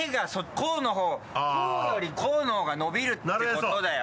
こうよりこうの方が伸びるってことだよ！